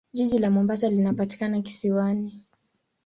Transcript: Jiji la Mombasa linapatikana kisiwani.